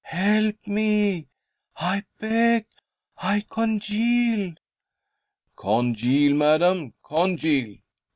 "Help me, I beg. I congeal!" "Congeal, madam, congeal!"